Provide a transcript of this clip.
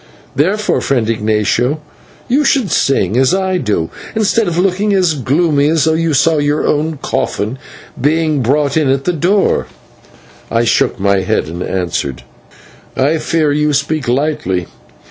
Therefore, friend Ignatio, you should sing, as I do, instead of looking as gloomy as though you saw your own coffin being brought in at the door." I shook my head, and answered: "I fear you speak lightly.